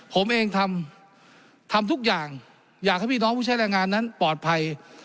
ผมเองทำทำทุกอย่างอยากให้พี่น้องผู้ใช้แรงงานนั้นปลอดภัย